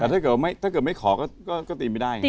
แต่ถ้าเกิดไม่ขอก็ตีไม่ได้ไง